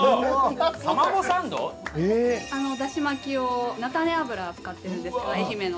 だし巻きを菜種油使ってるんですけど愛媛の。